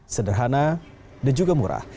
sederhana dan juga murah